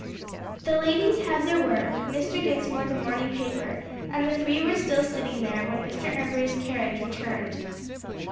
The ladies had their work, Mr. Dinsmore the morning paper, and the three were still sitting there when Mr. Embury's carriage returned.